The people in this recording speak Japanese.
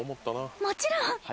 もちろん！